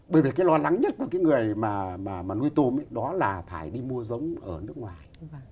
bởi vì cái lo lắng nhất của cái người mà nuôi tôm đó là phải đi mua giống ở nước ngoài